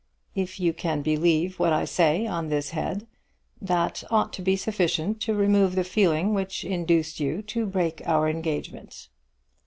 If you can believe what I say on this head, that ought to be sufficient to remove the feeling which induced you to break our engagement.